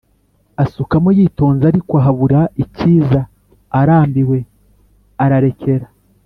asukamo yitonze ariko habura ikiza arambiwe ara rekera